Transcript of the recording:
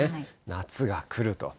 夏が来ると。